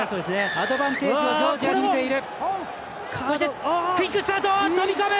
アドバンテージジョージアに見ている。